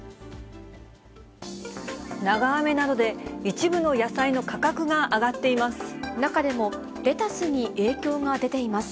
長雨などで、一部の野菜の価中でもレタスに影響が出ています。